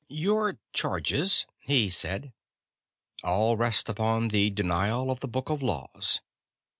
"Your charges," he said, "all rest upon the denial of the Book of Laws.